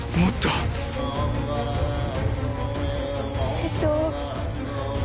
師匠。